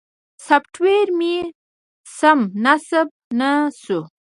سافټویر مې سمه نصب نه شوه.